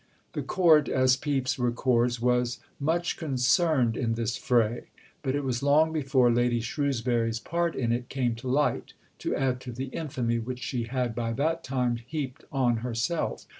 The Court, as Pepys records, was "much concerned in this fray"; but it was long before Lady Shrewsbury's part in it came to light, to add to the infamy which she had by that time heaped on herself.